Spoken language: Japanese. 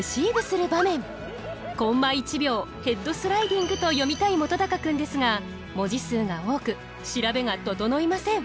「コンマ１秒ヘッドスライディング」と詠みたい本君ですが文字数が多く調べが整いません。